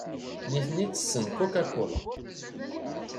Nitni ttessen Coca-Cola.